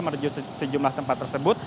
menuju sejumlah tempat tersebut